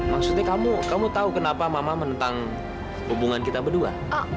maksudnya kamu tahu kenapa mama menentang hubungan kita berdua